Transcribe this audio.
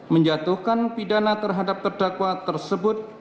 menjatuhkan pidana terhadap terdakwa tersebut